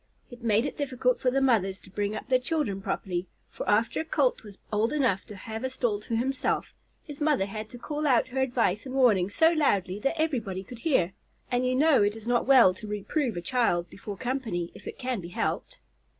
It made it difficult for the mothers to bring up their children properly, for after a Colt was old enough to have a stall to himself, his mother had to call out her advice and warnings so loudly that everybody could hear, and you know it is not well to reprove a child before company if it can be helped.